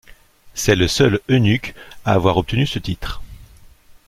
C’est le seul eunuque à avoir obtenu ce titre.